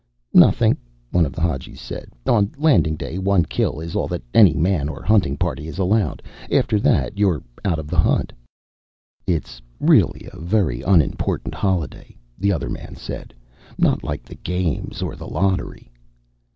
"Nothing," one of the Hadjis said. "On Landing Day, one kill is all that any man or hunting party is allowed. After that, you're out of the hunt." "It's really a very unimportant holiday," the other man said. "Not like the Games or the Lottery."